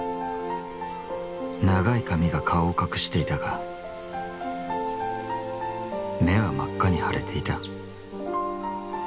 長い髪が顔を隠していたが目は真赤に腫れていた。